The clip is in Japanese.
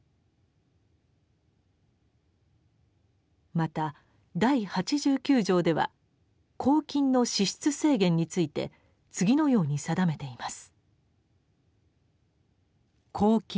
また第八十九条では「公金の支出制限」について次のように定めています。